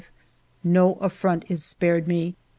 No affront is spared me.